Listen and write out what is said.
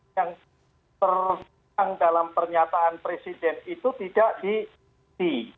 yang terang dalam pernyataan presiden itu tidak di